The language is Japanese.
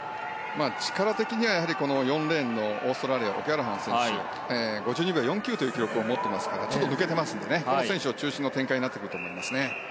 力的には４レーンのオーストラリアのオキャラハン選手が５２秒４９というタイムを持っていますから抜けてますのでこの選手中心の展開になってくると思いますね。